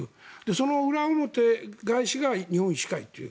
その裏表が日本医師会という。